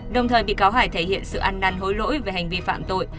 đồng thời bị cáo hải thể hiện sự ăn năn hối lỗi về hành vi phạm tội